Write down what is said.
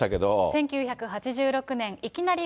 １９８６年、いきなり！